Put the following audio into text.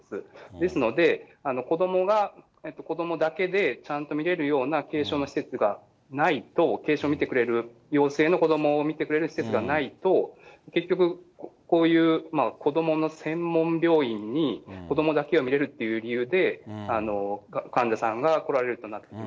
ですので、子どもが子どもだけでちゃんと診れるような軽症の施設がないと、軽症診てくれる、陽性の子どもを診てくれる施設がないと、結局、こういう子どもの専門病院に子どもだけを診れるっていう理由で、患者さんが来られることになってくる。